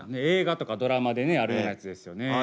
映画とかドラマでねあるようなやつですよね。